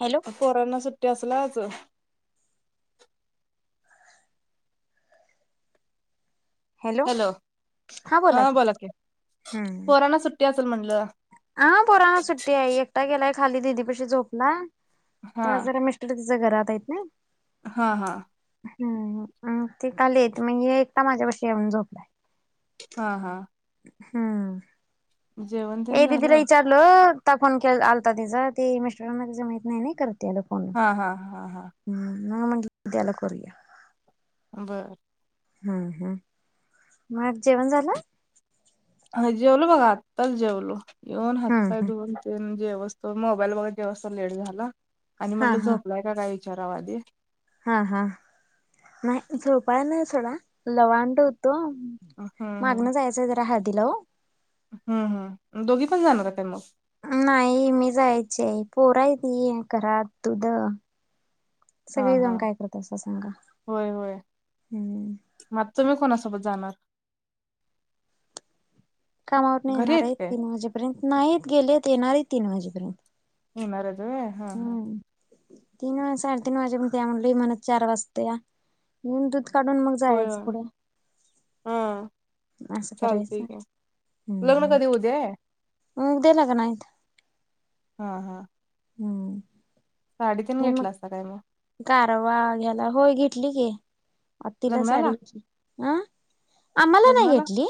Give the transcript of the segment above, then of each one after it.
Hello corona सुट्टी असल्याच hello हा बोला की बोलाते हम्म पोराना सुट्टी असेल म्हटलं हा पोरा सुट्टी आहे एकटा गेलाय खाली दिदी पशी झोपला हा त्या जरा मि तिच्यां घरात आहेत ना हां हां हम् ते काल येत मग एकटा माझ्यापशी येऊन झोपलाय हा हा हम्म जेवण तेन ये दिदीला झालं विचारलं त्या फोन के आलता तिचा ती मिस्टोरला तिं माहत नाही करत त हा हा हा हा हम म्हणलं त्याला करूया बरं हा हा मग जेवण झालं अ जेवलो बघा आत्ताच जेवलो येऊन हम्म हताय हम्म दोन ते जेवस्तो मोबाईल बघा जेवस्त लेट झाला आणि हा म्हटलं हा झोपलाय का काय विचारावा आधी हा हा नाही झोपाय नाही सोडा लवांड होतो हम्म मागनं जायचंय जरा हळदीला हो हम् हम् दोघी पण जाणार का मग नाही मी जायचे आहे पोराय त घरात तुध हा सगळे जाऊन हा काय करत असं सांगा होय होय हम्म मग तुम्ही कोणासोबत जाणार कामावरून घरी येणार आहेत आहे काय तीन वाजेपर्यंत नाहीत गेलेत येणार आहे तीन वाजेपर्यंत ह वरद आहे हा हा हम्म तीन वाज साडेतीन वाजे पण त्या म्हली म्हणत चार वाजते या येऊन दूध काढून मग होय जायचं होय पुढे हा असशं चालतंय करायचचर की हम्म लग्न हम्म कधी उद्या आहे मग देे लाग नाय हा हा हम्म साडेतीन मी मग घेतला असता काय म कारवा घ्याला होय घेतली की. आ तिला साडी लग्नाला घेतली अं आम्हाला नाही लग्नाला घेतली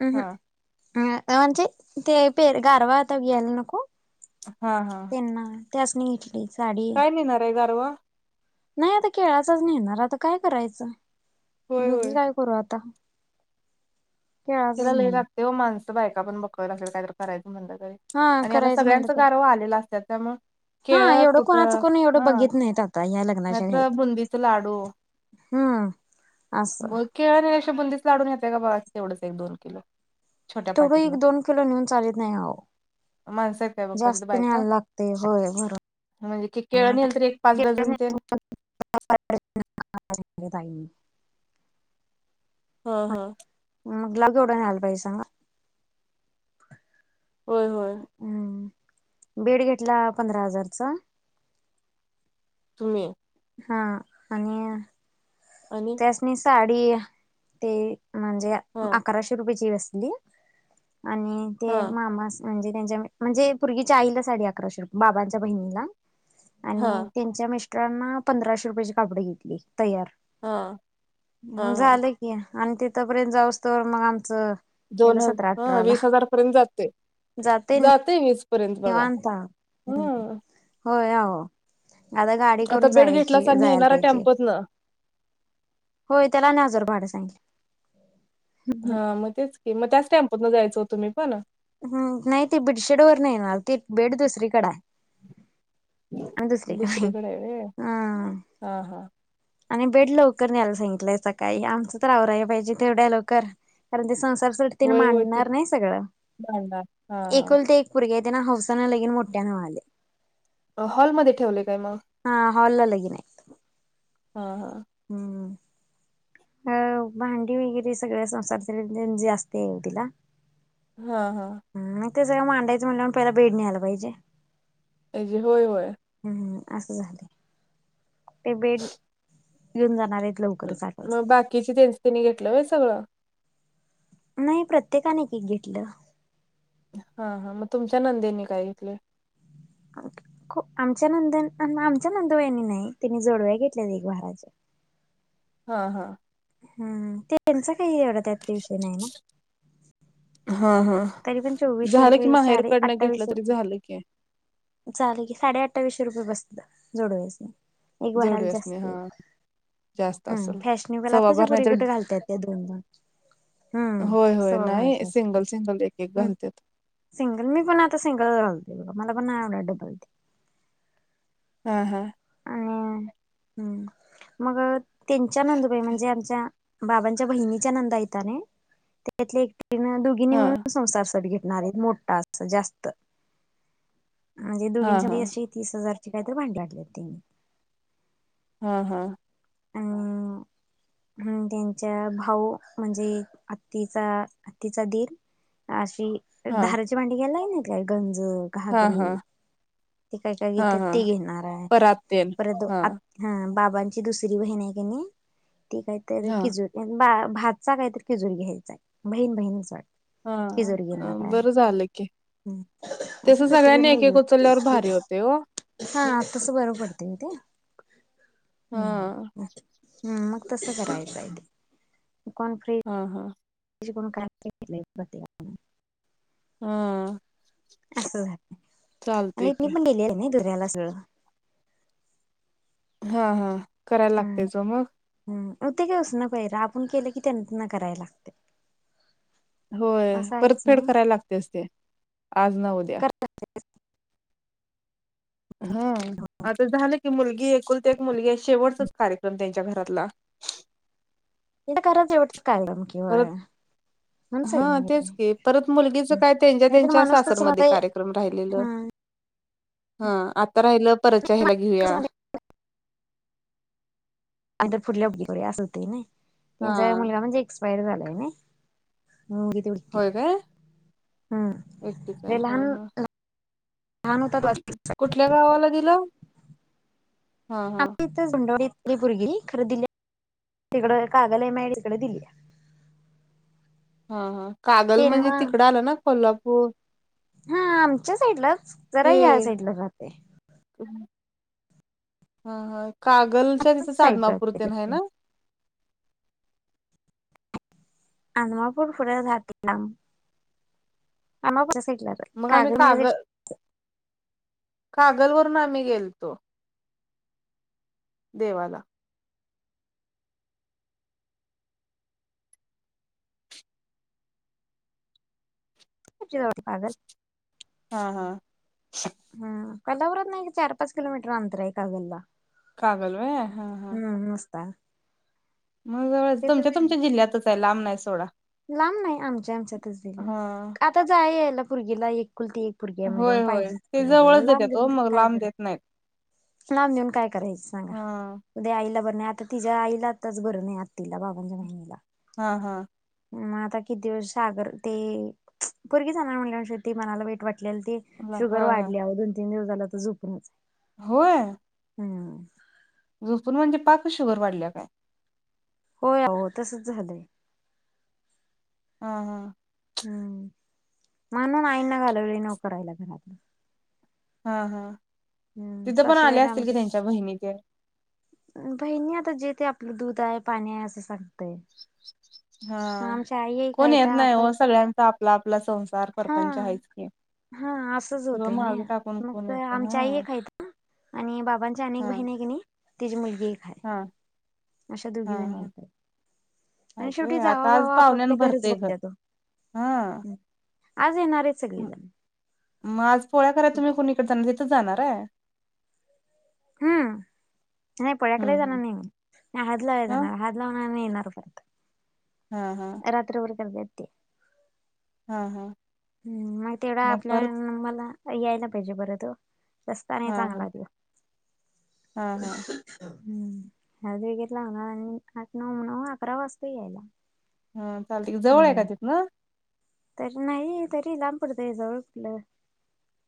अ हा ह म्हणचे ते परग अर्वाता घायला नको. हा हा त्याच नाही घेतली साडी. काय नेणार आहे गारवा नाही आता केळाचाच नाहीणार आता काय करायचं होय दोघी होय काय करू आता तिला केळाचाच लय नेणार लागते व माणसं बायका पण बकव असेल काय तर करायं म्हणटलं तरी. हा आणि आता करायचं म्हणलं सगळ्यांचं तर गारव आलेलं असत त्यामु हा केळ एवढं कुठ कोणाचं कोण एवढं हा बघित नाहीत आता या लग्नाच्या मात्र घाईत बुंदीच लाडू हम्म असस मग केळ आणि अे बंदीच लाढून घेतय का बघा तेवंच एक दोन किलो छोट्या तेवढं पाटीतनं एक दोन किलो नेऊन चालत नाही हो माणसं आहेत काय बघ तिथं जास्त बायका न्याला लागते होय बरो म्हणजे की केळ नेलं तर एक पाच डझन तेन [inaudible] हा हा मग लग एवढं नाही हला पाजे सांा होय होय हम्म बेड घेतला पंधरा हजारचा तुम्ही हा आणि आणि साडी ते म्हणजे हा अकराशे रुपयेची बसली. आणि ते हा मामा म्हणजे त्यांच्या म्हणजे पूर्गीच्या आईला साडी अकराशे बाबांच्या बहिणीला हा आणि मिस्टरांना पंधराशे रुपयाेचे कापडे घेतली तयार हा हा हा झालं की आणि तिथपर्यंत जाऊसत मग आमचं गेलं दोन हज सतरा हा अठराला वीस हजार पर्यंत जाते जाते वीस पयंत बघा निवांत हम्म. ह! होय आ आता गाडी आता करून बेड जायची घेतलास आणि जायला येणार पाहिजे टेम्पोत न होय त्याला न हजर भाड सांगल हा मग तेच की मग त्याच टेम्पूतन जायचं होतं मी पण. हम् नाही ती बिडशेड वर नाहीणार ती बेड दुसरीकड आहे अंत श्री का दुसरीकडे आहे व्हय हा हा हा आणि बेड लवकर न्यायला सांगितलंय सकाळी आमचं तर आवरा आहे पाहिजे तेवढ्या लवकर कारण ते संसारासाठी तने मांडणार नाही सगळं बांड हा एकूल ते एक पूरगी आहे तेन हौसाना लगीन मोठ्यान व्हालय. हॉलमध्येध्ये ठेवले काय मग हा हॉल ला लगीन हाय हा हा हम्म अ भांडी वगैरे सगळ्या संसार जास्त तिला हा हा ह मग ते सगळं मांडायचंटलं प पहिला भेडणीयला पाहिजे अजे होय होय हम्म असं झालं ते बेड येऊन जाणार आहेत लवकरचठ मग बाकीचे त्यांनच त्यांनी घेतलं सगळं नाही प्रत्येकाने एक घेतलं हा हा मग तुमच्या नंदेनी काय घेतले ख आमच्या नंद आमच्या नंदवयानी नाही त्यांिने जडव्या घेतल्या एक भाराचे हा हा हम् त्यांचा काही एवढा त्यात विषय नाही ना हा हा तरी पण चोवीसशे झालं की रुपये माहेर साडे कडनं घेतलं अठ्ठावीसशे तरी रुपये झालं की चालेल की साडे अठ्ठावीसशे रुपये बसत जोडवेस एक वराला जोडव्यासनी हा जास्त जास्त हम असेल फॅशनेबल सव्वा आता ज भर नाही पुे तर कठ घालतात ते दोन दोन हम्म होय होय सव्वा नाही भराच्या असतील सिंगल सिंगल एक एक हम्म घालते सिंगल मी पण आता सिंगल रालते बघा मला पण नाही एवढं डबल हा हा आणि हम् मग त्यांच्या नंदुबाई म्हणजे आमच्या बाबांच्या बहिणीच्या नंदा यता त्यातली एक टन द िळून हा संसारसाठी घेणार आहेत मोठा अस जास्त म्हणजे हा हा दोघींच्याशी तीस हजारची काही तर भांडी आपल्यात त्यांनी. हा हा अ ह त्यांच्या भाऊ म्हणजे आत्तीचा आत्तीचा दीर अशी हा धाराची मांडी घ्यायला आहे नात काय गंज हा हा घागरी ते काय काय हा घेते हा ते घेणार आहे परात तेन परंतु आ हा बाबांची दुसरी बहीण आहे का नाही ती काय तर हा किजूट बा भातचा काहीत खिजुरी घ्यायचाय बहीण बहीणीच वाटतं हा बरं झालंय की हम्म तसं सगळ्यांनी एक एकक उचलल्यावर भारी होते हो हा तसं बरं पडते ते हा हम् मग तसं करायला पाहिजे दुकन फ्रीज हां हां त्या को काय हम असं झा आणि मी की पण गेले आहे नाही दुऱ्याला सगळं हा हा करायला लागतेचो मग हम ते कास न काही र आपण केलं की त्यांना करायला लागते होय असं आहेच परतफेड नाही करायला लागतेस ते आज न उद्या ह हम आता झालं की मुलगी एकुल तर एक मुलगी आहे शेवटचाच कार्यक्रम त्यांच्या घरातला त तर कराच एवटं काय नमकीि व परत हा तेच की परत मुलगीच काय त्यांच्या नाहीतर त्यांच्या माणूस कसं सासरमध्ये मध्ये कार्यक्रम राहिलेलं हा हा आता राहिलं परचहा्यायला कसं घेऊया अर फुढल्या उगीकडे असं होते ना हा त्यांचाग मुलगा म्हणजे एक्सपायर झालायगी ते होय काय एकटीच आहे ते लहान हा हा लहान होतात कुठ कुठल्या गावाला दिलं हा हा आम्ही इथ झुंडडीली भगी खरे दिली तिकड कागलय मायडी इकडे दिली हा हा कागल म्हणजे त्यांना तिकडं आलं ना कोल्हापूर हा आमच्या साईडलाच जरा ते या साईडला राहे हा हा कागलच्या असच तिथेच साईड राहते आदमापुरते ना आहे ते ना अ मा फूर फुढ दातलाम आ् पु सला मग आम्ही कागल कागल वरून आम्ही गेलतो देवाला काग हा हा हम कदापुरात नाही चार पाच किलोमीटर अंतर आहे कागलला कागल वा हा हा कत्ता मग जवळचं तुमच्या तुमच्या जिल्ह्यातच आहे लांबना आहे सोडा लांब नाही आमच्या आमच्यातच दिल्या हा आता जाय यायला भर्गीला एक कुलती एक पोरगी आहे म्हणल्यावर होय होय, पाहिजेच ते की ओ जवळ जवळच लांब देतेत हो देऊन मग काय लांब देत करत नाहीत. लांब देऊन काय करायचे सांगा. हा उद्या आईला बरं नाही, आता तिच्या आईला आताच बरं नाही, आत तिला बाबांच्या महिनला हा हा. मग आता किती दिवस सागर ते पोरगी जाणार म्हणले शवटी मनाला वाईट वाटलेल ते. ल- शुगर होय होय वाढल्या, दोन तीन दिवस झाल तर झोपूनचे. होय. हम्म. झोपून म्हणजे पाकच शुगर वाढल्या काय? हो हो तसंच झालंय. हा हा. हम् म्हणून आईंना घालवली नवकरायला घरातलं. हा हा. हम्म सासूबाई ना आमची च्या बहिणीनीकड बहिणी आता जेते आपलं दूध आहे पाणी आहे, असं सांग. हा आई एक कोण आहेत येत नाही आपण हो, सगळ्यांचा आपला आपला संसार. हा प्रपंच हायेच कि हा असंच सगळं होतंय ना माग टाकून मग कोण तर येते, आमची आई हा. एक आहेत आणि बाबांची अनी एक हा बहीण कीनी, तिची मुलगीये. हा अशा दोघी जणी हे. य आता आज पाहुण्यान आपापल्या घरच भरतेय घर, बघत्यात हा. ओ आज येणारेत सगळे. म- मग आज पोळ्या कराय तुम्ही कोणीकडे जाणारे, तिथं जाणारे. हम्म, नाही पोळ्या करायला हम्म जाणार हम्म नाही मी हळद लावायला हा जाणार हळद णा येणार परत. हा हा. रात्रभर करत्यात ते. हा हा. हम्म मग तेवढा आपल्या मला यायला पाहिजे परंतो रस्त नाही हा हा चांगला त्यो. हा हा [inaudible] हम्म हळद वगैरे लावणार आणि आठ नऊ नऊ, अकरा वाजतील यायला. हा चालते जवळे का तीथ न. तरी नाही तरी लंबपडतय, जवळ कुठलं,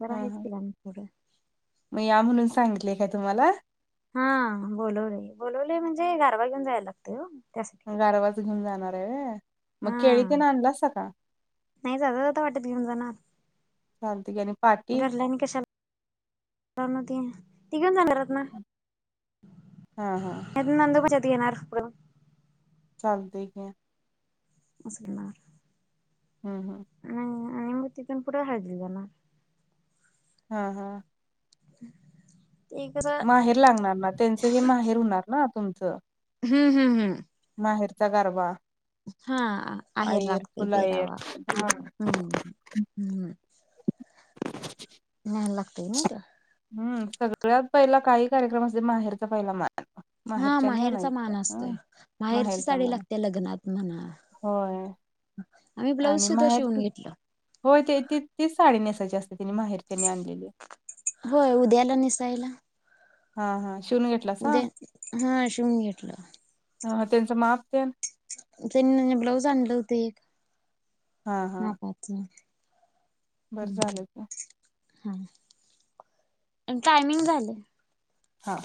जरा आहेच की लंबपडंत. म या म्हणून सांगितले काय तुम्हाला. हा बोलवलय, बोलवलय म्हणजे गारबा घेऊन जायला लागत हो, त्यासाठी. गारबा तू घेऊन जाणार आहे, मग केळी ते न हा आणलासा का? नाही जाताजाता वाटेत घेऊन जाणार, चालतंय की आणि पाटी घरल्याने कशा ती ती घेऊन जाणारतना. हा हा. ननंदूबा च्यात येणार. चालतय की. [unintelligible] हम्म हम्म. ह आणि म तीथुन पुढ हळदला जाणार. हा हा. [inaudible] माहेर लागणार ना, त्यांचं हे माहेर होणार ना तुमचं. हम्म हम्म हम्म. माहेरचा गरबा. हा आहेर लागते, आयर पेरावा हा हम्म हम्म. नेय लागते नाही तर. हम्म सगळ्यात पहिला काही कार्यक्रम असते माहेरचा पहिला मान. हा माहेरच्यानी माहेरचा आणायचं मान असतोय. हं माहेरची साडी माहेरचामाना लागते लग्नात म्हणा. होय आम्ही ब्लाऊज आणि सुद्धा शिवून माहेरची घेतलं हो ते त तीच साडी नेसायची असते तिने माहेर त्यानी आणलेली होय उद्याला निसायला हा हा शिवून घ उद्या हा शिवून घेतलं हा त्यांचं माप त्या त्यां ब्लाऊज आणलं होत एक हा हा मापाच. बरं ह् झालं की हा आणि टायमिंग झाले. हा.